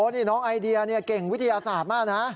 โอ้โหนี่น้องไอเดียเนี่ยเก่งวิทยาศาสตร์มากนะ